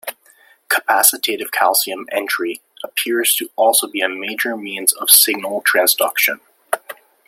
Capacitative calcium entry appears to also be a major means of signal transduction.